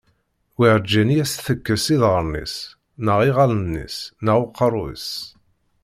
Werǧin i as-tekkes iḍarren-is, neɣ iɣallen-is, neɣ aqerru-s.